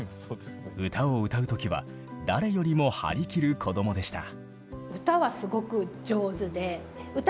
歌を歌う時は誰よりも張り切る子供でした。